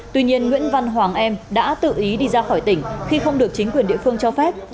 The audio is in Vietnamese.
tuy nhiên nguyễn văn hoàng em đã tự ý đi ra khỏi tỉnh khi không được chính quyền địa phương cho phép